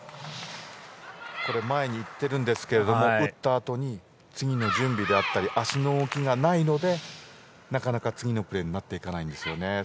前に行ってるんですが打ったあとに次の準備であったり足の動きがないのでなかなか次のプレーになっていかないんですよね。